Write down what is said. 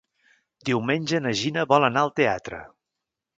Diumenge na Gina vol anar al teatre.